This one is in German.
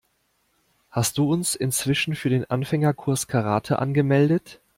Hast du uns inzwischen für den Anfängerkurs Karate angemeldet?